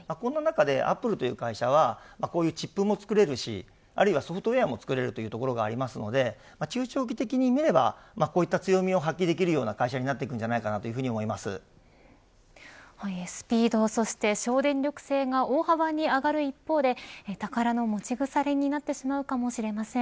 この中でアップルという会社はこういうチップも作れるしあるいはソフトウエアも作れるところがありますので中長期的に見ればこういった強みを発揮できるような会社になってくるんじゃないかスピードそして省電力性が大幅に上がる一方で宝の持ち腐れになってしまうかもしれません。